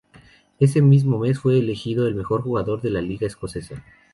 Ese mismo mes fue elegido el mejor jugador de la Liga Escocesa.